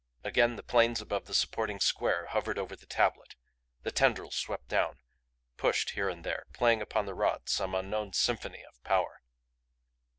Again the planes above the supporting square hovered over the tablet. The tendrils swept down, pushed here and there, playing upon the rods some unknown symphony of power.